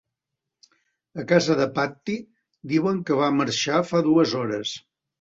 A casa de Patti diuen que va marxar fa dues hores.